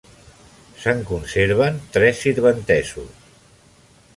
Se'n conserven tres sirventesos.